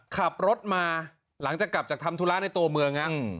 ขับรถมาหลังจากกลับจากทำธุระในตัวเมืองนะ